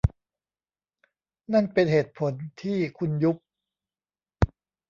นั่นเป็นเหตุผลที่คุณยุบ